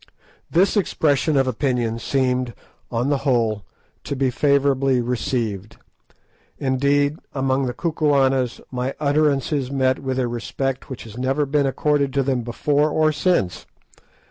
This expression of opinion seemed, on the whole, to be favourably received; indeed, among the Kukuanas my utterances met with a respect which has never been accorded to them before or since.